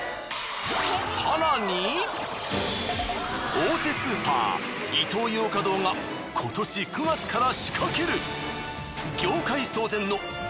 大手スーパーイトーヨーカドーが今年９月から仕掛ける。